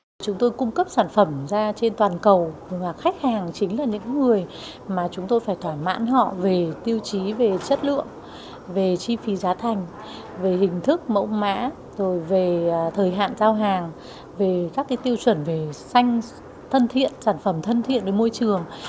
về chi phí chất lượng giá thành cũng như thời hạn giao hàng